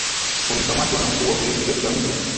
wamekamatwa na mkuu wa polisi katika mji